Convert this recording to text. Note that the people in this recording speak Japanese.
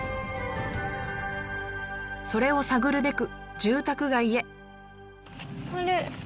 それを探るべく住宅街へ。